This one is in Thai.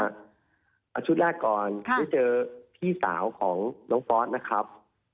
เอาชุดแรกก่อนได้เจอพี่สาวของน้องฟอสนะครับ